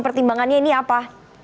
pertimbangannya ini apa